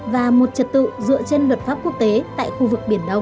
và một trật tự dựa trên luật pháp quốc tế tại khu vực biển đông